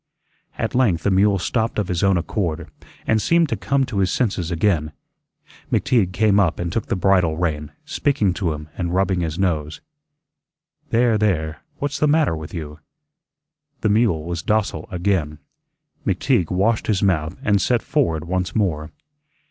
At length the mule stopped of his own accord, and seemed to come to his senses again. McTeague came up and took the bridle rein, speaking to him and rubbing his nose. "There, there, what's the matter with you?" The mule was docile again. McTeague washed his mouth and set forward once more.